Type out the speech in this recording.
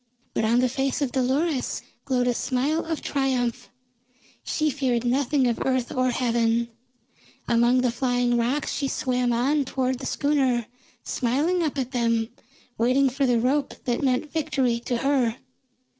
But on the face of Dolores glowed a smile of triumph. She feared nothing of earth or heaven; among the flying rocks she swam on toward the schooner, smiling up at them, waiting for the rope that meant victory to her.